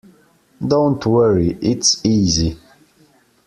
Don’t worry, it’s easy.